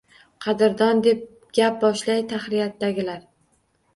Qadrdon, deb gap boshlaydi tahririyatdagilar